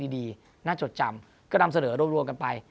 น่าจดจำก็นำเสนอรวมกันไป